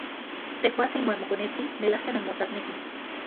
Tejuatsin uan mokonetsin melajka nanmotasnekij.